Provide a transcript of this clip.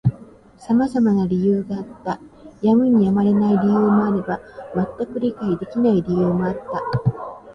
様々な理由があった。やむにやまれない理由もあれば、全く理解できない理由もあった。